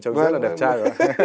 trông rất là đẹp trai